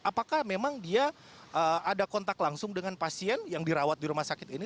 apakah memang dia ada kontak langsung dengan pasien yang dirawat di rumah sakit ini